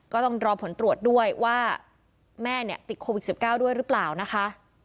ก็ต้องรอผลตรวจด้วยว่าแม่เนี่ยติดโควิด๑๙ด้วยหรือเปล่านะคะ